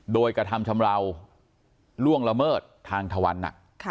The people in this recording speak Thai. โดยกระทำชำราวล่วงละเมิดทางทวัน